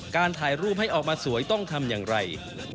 การถ่ายรูปให้ออกมาสวยต้องทำอย่างไร